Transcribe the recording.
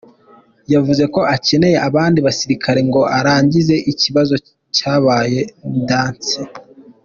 Yavuze ko akeneye abandi basirikare ngo arangize "ikibazo cabaye ndanse".